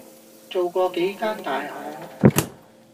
做過幾間大行